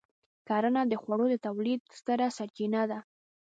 کرنه د خوړو د تولید ستره سرچینه ده.